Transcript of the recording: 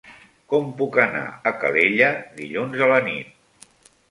Com puc anar a Calella dilluns a la nit?